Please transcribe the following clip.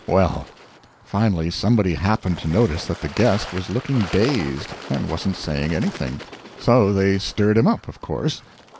"Well, finally somebody happened to notice that the guest was looking dazed, and wasn't saying anything. So they stirred him up, of course.